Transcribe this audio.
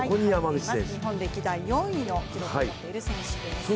日本歴代４位の記録を持っている選手です。